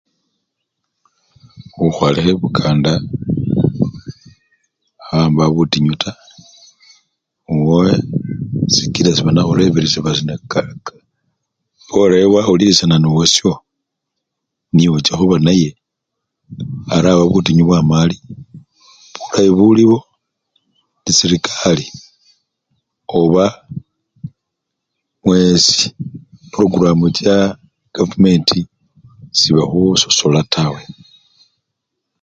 Khukholela ebukanda aba mbawo butinyu taa, ewe sikila sebanakhureberesha bali sina ka! ka! pora ewe wawulilishana nowasho esi ocha khuba naye ariaba butinyu bwama waa. Bulayi buliwo indi serekari oba wesi prokramu chakavumenti sebakhu sosola tawe.